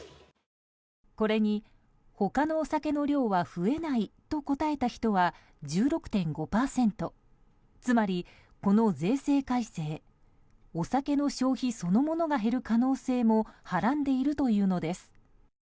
これに他のお酒の量は増えないと答えた人は１６．５％つまり、この税制改正お酒の消費そのものが減る可能性もはらんでいるというのです。